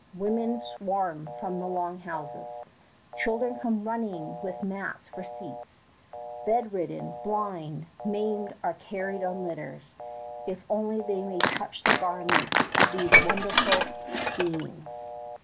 Women swarm from the long houses. Children come running with mats for seats. Bedridden, blind, maimed are carried on litters, if only they may touch the garments of these wonderful beings.